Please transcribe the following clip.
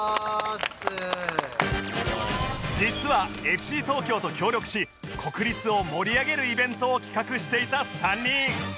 実は ＦＣ 東京と協力し国立を盛り上げるイベントを企画していた３人